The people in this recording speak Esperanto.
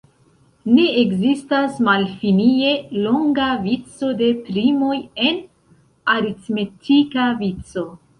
Ne ekzistas malfinie longa vico de primoj en aritmetika vico.